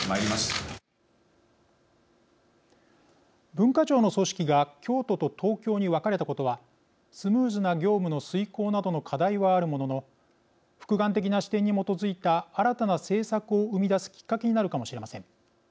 文化庁の組織が京都と東京に分かれたことはスムーズな業務の遂行などの課題はあるものの複眼的な視点に基づいた新たな政策を生み出すきっかけになるかもしれません。